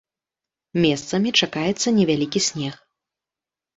Месцамі чакаецца невялікі снег.